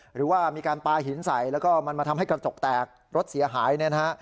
หรือว่ามีการปาหินใสทำให้กระจกแตกรถเสียหาย